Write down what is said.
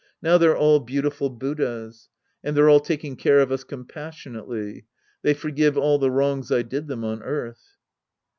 No>v they're all beautiful Buddhas. And they're all taking care of us compas sionately. They forgive all the wrongs I did them on earth.